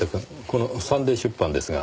このサンデー出版ですが。